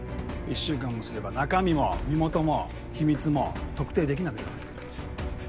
１週間もすれば中身も身元も秘密も特定できなくなる。